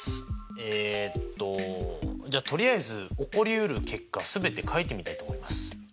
えっとじゃあとりあえず起こりうる結果すべて書いてみたいと思います。